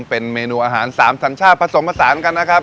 เป็นเมนูอาหาร๓สัญชาติผสมผสานกันนะครับ